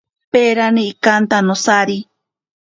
Peranti ikanta nosari.